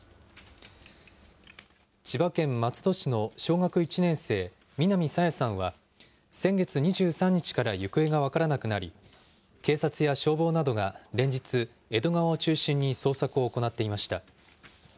千葉県松戸市の小学１年生、南朝芽さんは先月２３日から行方が分からなくなり、警察や消防などが連日、江戸川を中心に捜索を行っていました。